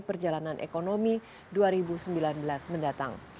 perkembangan ekonomi indonesia di tahun dua ribu sembilan belas